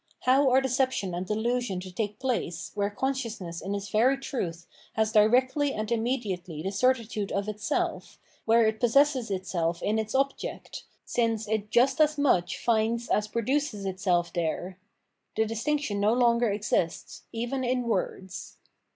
How are deception and delusion to take place, where consciousness in its very truth has directly and immediately the certitude of itself, where it possesses itself in its object, since it just as much finds as produces itself there ? The distinction no longer exists, even in words.